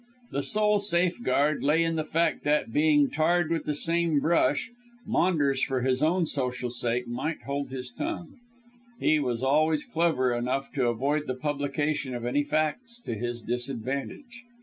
The sole safeguard lay in the fact that, being tarred with the same brush, Maunders for his own social sake might hold his tongue. He was always clever enough to avoid the publication of any facts to his disadvantage.